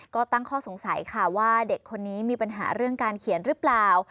ก็ตั้งข้อสงสัยค่ะว่าเด็กคนนี้มีปัญหาเรื่องการเขียนหรือเปล่า